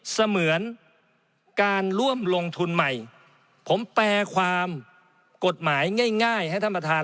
เสมือนการร่วมลงทุนใหม่ผมแปลความกฎหมายง่ายให้ท่านประธาน